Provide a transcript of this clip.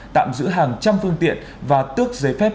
tạm giữ hàng trăm phương tiện và tước giấy phép